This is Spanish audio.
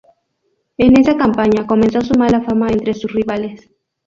En esa campaña comenzó su mala fama entre sus rivales.